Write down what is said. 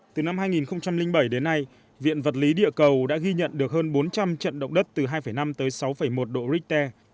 từ năm hai nghìn bảy đến nay viện vật lý địa cầu đã ghi nhận được hơn bốn trăm linh trận động đất từ hai năm tới sáu một độ richter